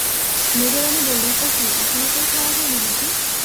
মেজোরানী বললেন, ও কী, এখনো তোর খাওয়া হয় নি বুঝি?